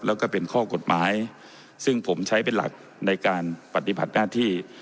แล้วก็เป็นข้อกฎหมายซึ่งผมใช้เป็นหลักในการปฏิบัติหน้าที่